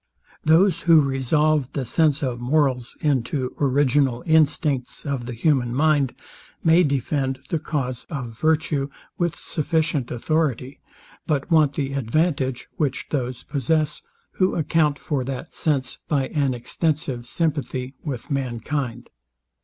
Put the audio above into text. Those who resolve the sense of morals into original instincts of the human mind, may defend the cause of virtue with sufficient authority; but want the advantage, which those possess, who account for that sense by an extensive sympathy with mankind.